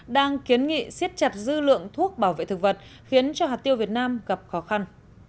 đang kiến nghị siết chặt dư lượng thuốc bảo vệ thực vật khiến cho hạt tiêu việt nam gặp khó khăn